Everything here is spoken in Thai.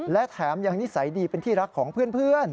และแถมยังนิสัยดีเป็นที่รักของเพื่อน